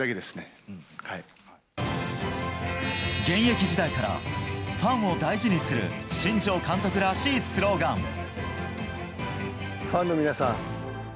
現役時代からファンを大事にする新庄監督らしいスローガン。